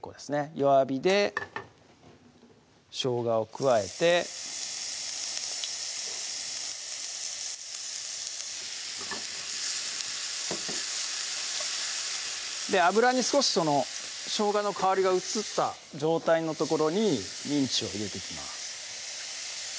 弱火でしょうがを加えて油に少ししょうがの香りが移った状態のところにミンチを入れていきます